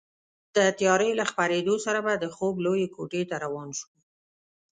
د تیارې له خپرېدو سره به د خوب لویې کوټې ته روان شوو.